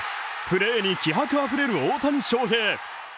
プレーに気迫あふれる大谷翔平。